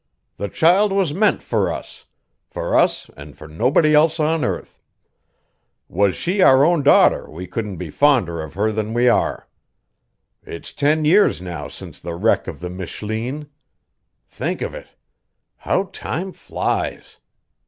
The child was meant fur us fur us an' fur nobody else on earth. Was she our own daughter we couldn't be fonder of her than we are. It's ten years now since the wreck of the Michleen. Think of it! How time flies!